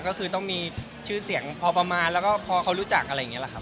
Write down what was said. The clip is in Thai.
ก็คือต้องมีชื่อเสียงพอประมาณแล้วก็พอเขารู้จักอะไรอย่างนี้แหละครับ